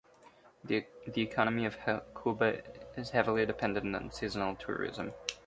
The economy of Hakuba is heavily dependent on seasonal tourism.